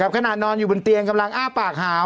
ขณะนอนอยู่บนเตียงกำลังอ้าปากหาว